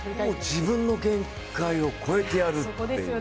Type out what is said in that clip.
自分の限界を超えてやるっていう。